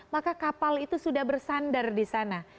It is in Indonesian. maka kapal itu sudah bersandar di sana